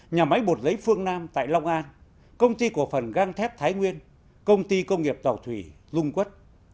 nhà máy bột lấy phương nam tại long an công ty của phần gan thép thái nguyên công ty công nghiệp tàu thủy lung quất